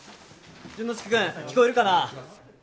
淳之介君、聞こえるかな？